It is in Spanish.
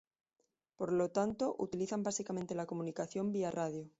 Por lo tanto utilizan básicamente la comunicación vía radio.